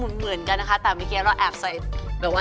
แต่เราเผลอว่าอาหุ้นชีสเพิ่ม